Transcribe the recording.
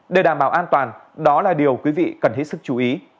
để đảm bảo an toàn đó là điều quý vị cần hết sức chú ý